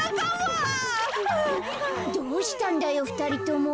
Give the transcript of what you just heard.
どうしたんだよふたりとも。